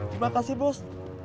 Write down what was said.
terima kasih bos